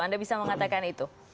anda bisa mengatakan itu